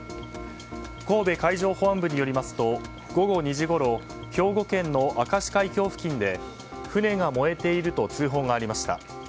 神戸海上保安部によりますと午後２時ごろ兵庫県の明石海峡付近で船が燃えていると通報がありました。